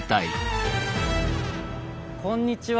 こんにちは。